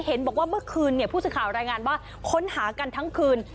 เห็นบอกว่าเมื่อคืนผู้สื่อข่าวรายงานว่าค้นหากันทั้งคืน